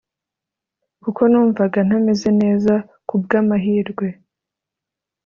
kuko numvaga ntameze neza Ku bw’amahirwe,